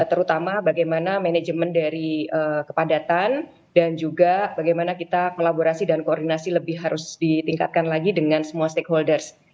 terutama bagaimana manajemen dari kepadatan dan juga bagaimana kita kolaborasi dan koordinasi lebih harus ditingkatkan lagi dengan semua stakeholders